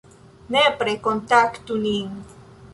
Nepre kontaktu nin!